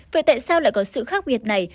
vậy tại sao lại có sự khác biệt này